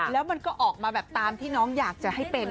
แล้วมันก็ออกมาแบบตามที่น้องอยากจะให้เป็น